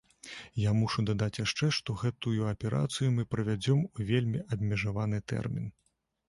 Я мушу дадаць яшчэ, што гэтую аперацыю мы правядзём у вельмі абмежаваны тэрмін.